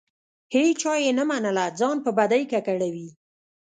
هیچا یې نه منله؛ ځان په بدۍ ککړوي.